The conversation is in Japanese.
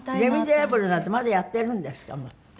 『レ・ミゼラブル』なんてまだやってるんですか？